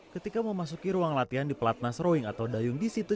ketika memasuki ruang latihan di pelatnas rowing atau dayung di situ